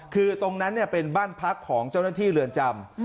คือตรงนั้นเป็นบ้านพักของเจ้าหน้าที่เรือนจำ